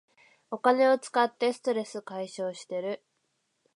お金を使ってストレス解消してる